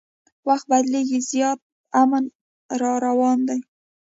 وخت بدلیږي زیاتي امن راروان دی